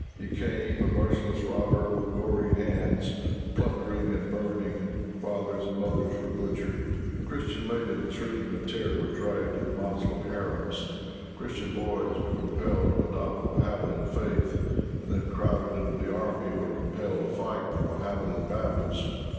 He came, a merciless robber with gory hands, plundering and burning. Fathers and mothers were butchered. Christian maidens, shrieking with terror, were dragged to the Moslem harems. Christian boys were compelled to adopt the Mohammedan faith, and then, crowded into the army, were compelled to fight the Mohammedan battles.